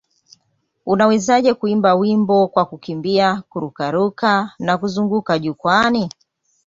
Unawezaje kuimba wimbo kwa kukimbia, kururuka na kuzunguka jukwaani?